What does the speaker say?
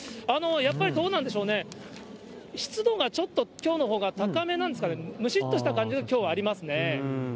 やっぱりどうなんですかね、湿度がきょうのほうが高めなんですかね、むしっとした感じがきょうはありますね。